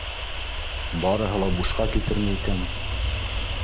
Барыһы ла бушҡа китерме икән?